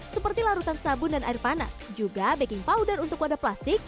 seperti larutan sabun dan air panas juga baking powder untuk wadah plastik